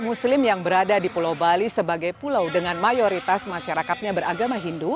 muslim yang berada di pulau bali sebagai pulau dengan mayoritas masyarakatnya beragama hindu